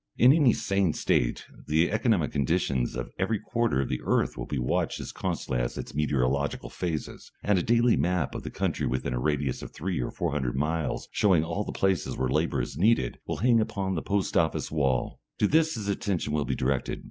In any sane State the economic conditions of every quarter of the earth will be watched as constantly as its meteorological phases, and a daily map of the country within a radius of three or four hundred miles showing all the places where labour is needed will hang upon the post office wall. To this his attention will be directed.